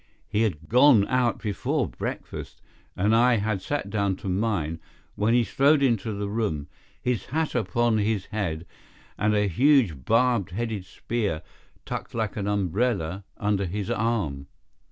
He had gone out before breakfast, and I had sat down to mine when he strode into the room, his hat upon his head and a huge barbed headed spear tucked like an umbrella under his arm.